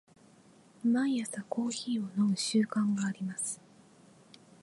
毎朝コーヒーを飲む習慣があります。